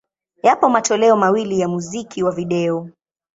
Yapo matoleo mawili ya muziki wa video.